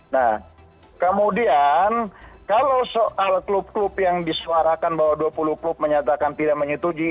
nah kemudian kalau soal klub klub yang disuarakan bahwa dua puluh klub menyatakan tidak menyetujui